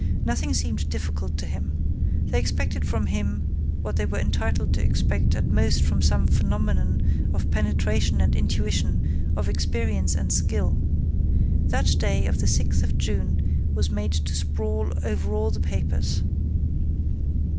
Nothing seemed difficult to him. They expected from him what they were entitled to expect at most from some phenomenon of penetration and intuition, of experience and skill. That day of the sixth of June was made to sprawl over all the papers.